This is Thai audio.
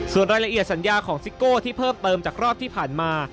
ส่วนรายละเอียดสัญญาของซิโก้ที่เพิ่มเติมจากรอบที่ผ่านมา